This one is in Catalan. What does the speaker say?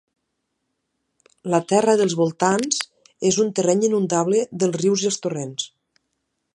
La terra dels voltants és un terreny inundable dels rius i els torrents.